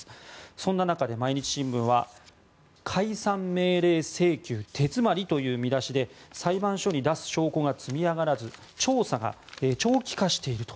そんな中で毎日新聞は「解散命令請求“手詰まり”」という見出しで、裁判所に出す証拠が積み上がらず調査が長期化していると。